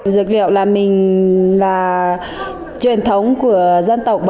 dược liệu là mình là truyền thống của dân tộc